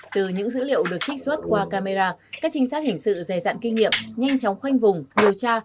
từ những dữ liệu được trích xuất qua camera các trinh sát hình sự dè dạn kinh nghiệm nhanh chóng khoanh vùng điều tra